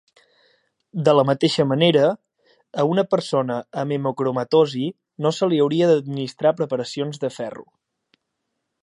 De la mateixa manera, a una persona amb hemocromatosi no se li hauria d'administrar preparacions de ferro.